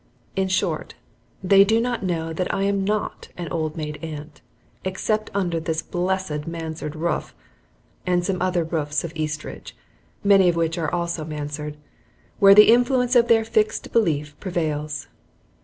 In short, they do not know that I am not an old maid aunt except under this blessed mansard roof, and some other roofs of Eastridge, many of which are also mansard, where the influence of their fixed belief prevails.